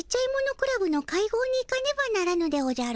クラブの会合に行かねばならぬでおじゃる。